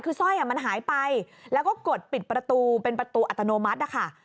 คือสร้อยมันหายไปแล้วก็กดปิดประตูเป็นประตูอัตโนมัตินะคะ